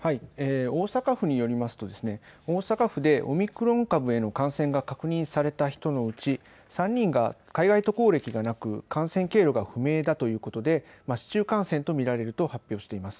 大阪府によりますと大阪府でオミクロン株への感染が確認された人のうち３人が海外渡航歴がなく、感染経路が不明だということで市中感染と見られると発表しています。